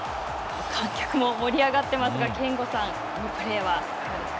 観客も盛り上がっていますが、憲剛さん、このプレーはいかがです